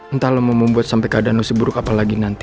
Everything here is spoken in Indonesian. entah lo mau membuat sampe keadaan lo seburuk apalagi nanti